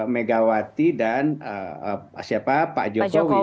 megawati dan siapa pak jokowi